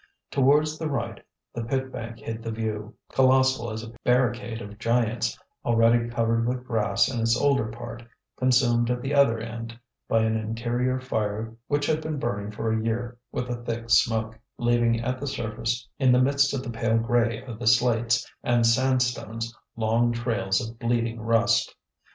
Towards the right the pit bank hid the view, colossal as a barricade of giants, already covered with grass in its older part, consumed at the other end by an interior fire which had been burning for a year with a thick smoke, leaving at the surface in the midst of the pale grey of the slates and sandstones long trails of bleeding rust.